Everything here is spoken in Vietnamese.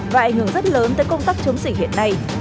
và ảnh hưởng rất lớn tới công tác chống dịch hiện nay